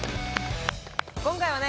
今回はね